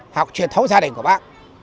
học truyền thống gia đình của bác